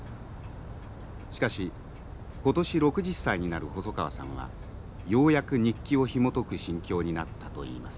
しかし今年６０歳になる細川さんはようやく日記をひもとく心境になったといいます。